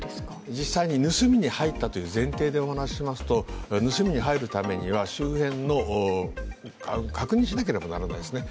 実際に盗みに入ったという前提でお話ししますと、盗みに入るためには周辺を確認しなければならないですね。